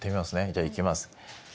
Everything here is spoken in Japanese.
じゃあいきます。